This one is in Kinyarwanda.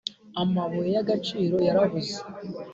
Amabuye yagaciro yarabuze